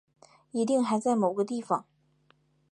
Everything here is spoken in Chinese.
一定还在某个地方